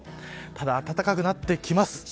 ただ、暖かくなってきます。